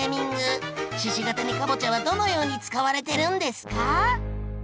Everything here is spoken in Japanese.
鹿ケ谷かぼちゃはどのように使われてるんですか？